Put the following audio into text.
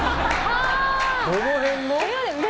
どの辺の？